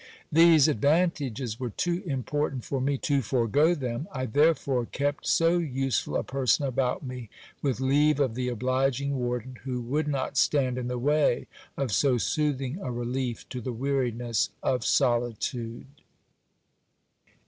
These advantages were too important for me to forego them. I therefore kept so useful a person about me, with leave of the obliging warden, who would not stand in the way of so soothing a relief to the weariness of solitude.